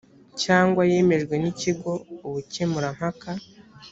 cyangwa yemejwe n ikigo ubukemurampaka